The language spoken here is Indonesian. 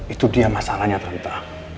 itu dia masalahnya tante